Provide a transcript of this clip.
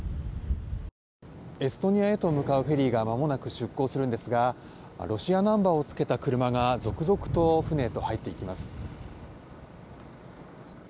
エストニアへと向かうフェリーがまもなく出航するんですがロシアナンバーを付けた車が続々と船へと入っていきます。